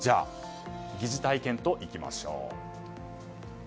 疑似体験といきましょう。